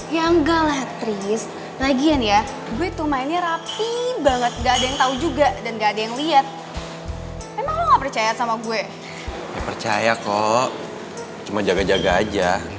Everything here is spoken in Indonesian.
ya percaya kok cuma jaga jaga aja